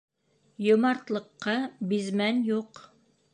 Йомартлыҡҡа бизмән юҡ.